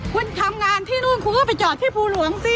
คุณทำงานที่นู่นคุณก็ไปจอดที่ภูหลวงสิ